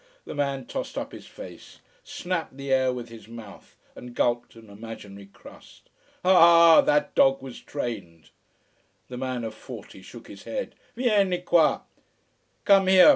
The man tossed up his face, snapped the air with his mouth, and gulped an imaginary crust. "AH, that dog was trained...." The man of forty shook his head. "Vieni qua!